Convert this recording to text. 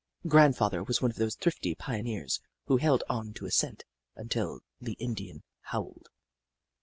Grandfather was one of those thrifty pioneers who held on to a cent until the Indian howled.